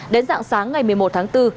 đến dạng sáng ngày một mươi một tháng bốn